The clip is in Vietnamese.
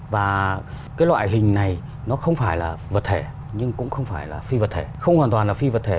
và cái loại hình này nó không phải là vật thể nhưng cũng không phải là phi vật thể không hoàn toàn là phi vật thể